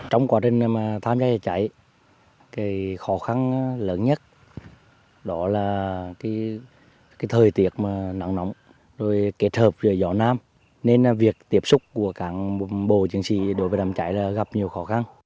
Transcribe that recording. rồi kết hợp với gió nam nên việc tiếp xúc của các bộ chiến sĩ đối với nắm cháy gặp nhiều khó khăn